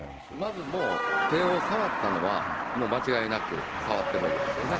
まずもう、手を触ったのは、もう間違いなく触ってるわけですよね。